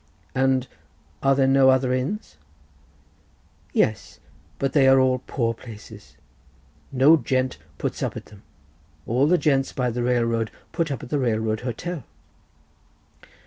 "And are there no other inns?" "Yes; but they are all poor places. No gent puts up at them—all the gents by the railroad put up at the railroad hotel."